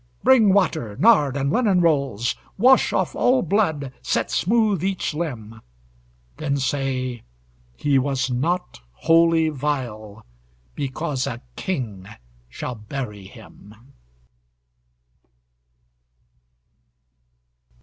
Bring water, nard, and linen rolls! Wash off all blood, set smooth each limb! Then say: "He was not wholly vile, Because a king shall bury him."